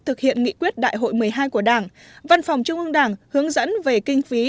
thực hiện nghị quyết đại hội một mươi hai của đảng văn phòng trung ương đảng hướng dẫn về kinh phí